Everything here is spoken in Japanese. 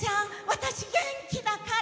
私、元気だから！